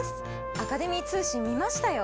アカデミー通信見ましたよ。